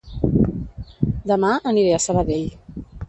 Dema aniré a Sabadell